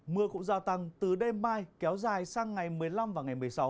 mưa cũng gia tăng từ đêm mai kéo dài sang ngày một mươi năm và ngày một mươi sáu